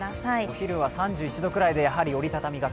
お昼は３１度ぐらいで、やはり折り畳み傘。